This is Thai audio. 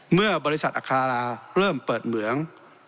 เมื่อบริษัทอัคราเริ่มเปิดเหมือง